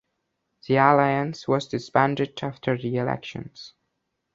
The alliance was disbanded after the elections.